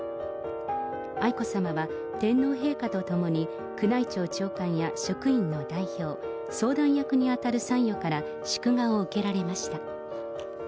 愛子さまは、天皇陛下と共に、宮内庁長官や職員の代表、相談役に当たる参与から祝賀を受けられました。